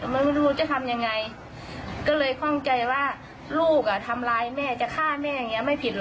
ไม่รู้จะทำยังไงก็เลยคล่องใจว่าลูกอ่ะทำร้ายแม่จะฆ่าแม่อย่างนี้ไม่ผิดห